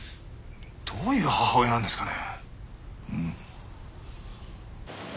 どういう母親なんですかね。